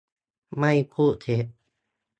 ไม่พูดเท็จ